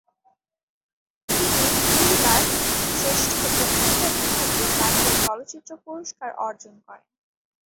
তিনি দুইবার শ্রেষ্ঠ অভিনেতা বিভাগে জাতীয় চলচ্চিত্র পুরস্কার অর্জন করেন।